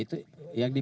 itu yang di